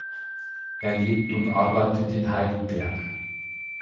Er lebt und arbeitet in Heidelberg.